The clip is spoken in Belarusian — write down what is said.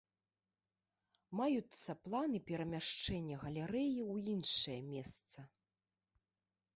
Маюцца планы перамяшчэння галерэі ў іншае месца.